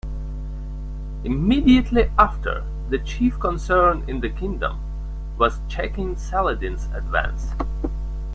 Immediately after, the chief concern in the kingdom was checking Saladin's advance.